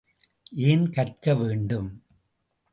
ஏன் கற்க வேண்டும்?